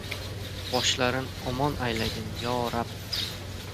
Boshlarin omon aylagin Yo Rab!